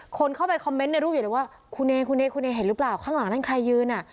คนเข้าไปเบ็บไนให้ดูอยู่เลยว่าคุณเอคุณเอเห็นหรือเปล่าครั้งหลังในนั่นใครยืนอ่ะ